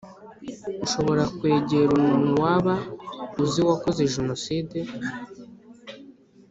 ushobora kwegera umuntu waba uzi wakoze jenoside